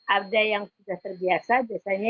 ada yang sudah terbiasa biasanya